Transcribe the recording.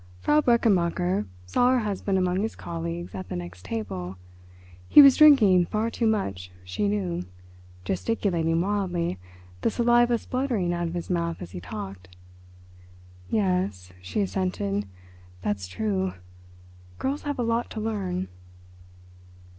Frau Brechenmacher saw her husband among his colleagues at the next table. He was drinking far too much, she knew—gesticulating wildly, the saliva spluttering out of his mouth as he talked. "Yes," she assented, "that's true. Girls have a lot to learn."